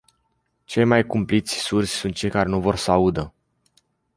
Cei mai cumpliți surzi sunt cei care nu vor să audă.